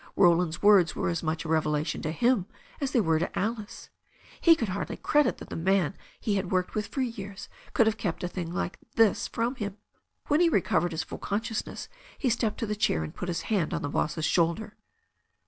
Roland's words were as much a revelation to him as they were to Alice. He could hardly credit that the man he had worked with for years could have kept a thing like this from him. When he recovered his full consciousness he stepped to the chair and put his hand on the boss's shoulder.